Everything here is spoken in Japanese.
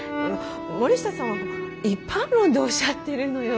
森下さんは一般論でおっしゃってるのよ。